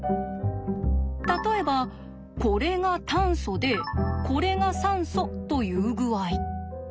例えばこれが炭素でこれが酸素という具合。